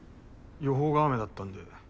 予報が雨だったんで。